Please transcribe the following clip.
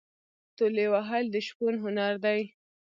تولې وهل د شپون هنر دی.